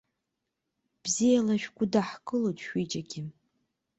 Бзиала, шәгәыдаҳкылоит шәҩыџьагьы!